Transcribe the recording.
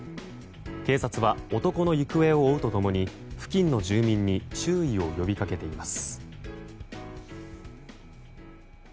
警察は、男の行方を追うと共に付近の住民に注意を呼びかけています。